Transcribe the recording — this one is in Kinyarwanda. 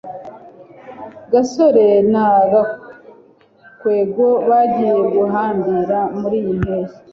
gasore na gakwego bagiye guhambira muriyi mpeshyi